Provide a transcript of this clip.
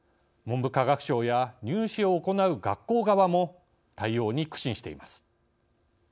文部科学省や入試を行う学校側も対応に苦心しています。